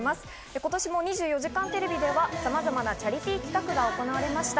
今年も『２４時間テレビ』ではさまざまなチャリティー企画が行われました。